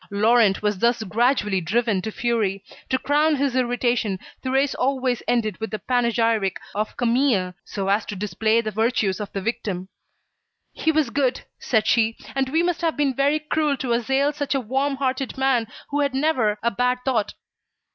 Laurent was thus gradually driven to fury. To crown his irritation, Thérèse always ended with the panegyric of Camille so as to display the virtues of the victim. "He was good," said she, "and we must have been very cruel to assail such a warm hearted man who had never a bad thought."